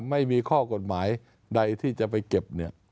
ไม่มีข้อกฎหมายใดที่จะไปเก็บเนี่ย